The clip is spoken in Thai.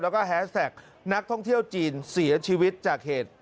แล้วก็แฮสแท็กนักท่องเที่ยวจีนเสียชีวิตจากเหตุ